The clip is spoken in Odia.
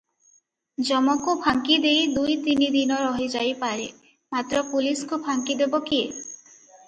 ଯମକୁ ଫାଙ୍କିଦେଇ ଦୁଇ ତିନିଦିନ ରହିଯାଇପାରେ; ମାତ୍ର ପୁଲିସ୍କୁ ଫାଙ୍କିଦେବ କିଏ?